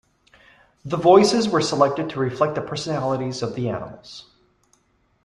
The voices were selected to reflect the personalities of the animals.